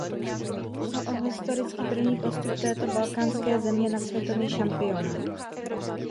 Šlo o historicky první postup této balkánské země na světový šampionát.